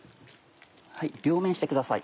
両面してください。